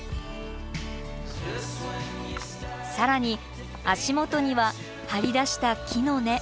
更に足元には張り出した木の根。